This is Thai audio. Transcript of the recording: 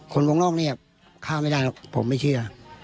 คนวงนอกเนี่ยข้าวไม่ได้หรอกค่ะผมมันไม่เชื่อ